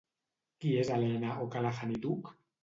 Qui és Elena O'Callaghan i Duch?